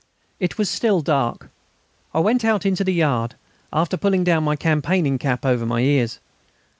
It was still dark. I went out into the yard, after pulling down my campaigning cap over my ears.